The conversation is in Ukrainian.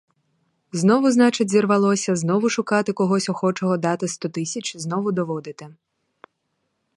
Знову, значить, зірвалося, знову шукати когось охочого дати сто тисяч, знову доводити.